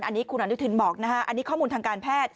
อันนี้คุณอนุทินบอกนะฮะอันนี้ข้อมูลทางการแพทย์